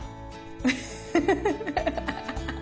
フフフフッ！